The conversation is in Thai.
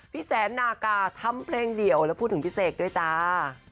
แสนนากาทำเพลงเดี่ยวแล้วพูดถึงพี่เสกด้วยจ้า